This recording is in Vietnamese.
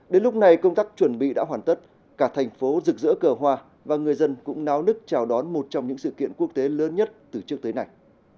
đến lúc này công tác chuẩn bị đã hoàn tất cả thành phố rực rỡ cờ hoa và người dân cũng náo nức chào đón một trong những sự kiện quốc tế lớn nhất từ trước tới nay